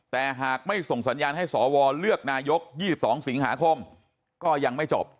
แต่หากไม่ส่งสัญญาณให้สวเลือกนายก๒๒สิงหาคมก็ยังไม่จบ